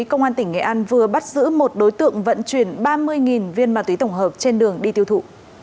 công an tỉnh nghệ an vừa bắt giữ một đối tượng vận chuyển ba mươi viên ma túy tổng hợp trên đường đi tiêu thụ